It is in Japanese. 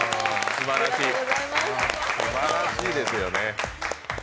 すばらしいですよね。